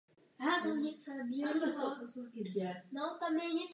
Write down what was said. Zde jsou údaje uvedeny beze změn.